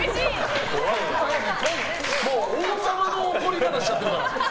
王様の怒り方しちゃってる。